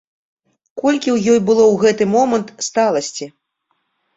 Колькі ў ёй было ў гэты момант сталасці!